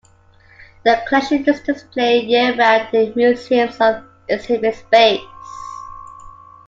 The collection is displayed year-round in the museum's of exhibit space.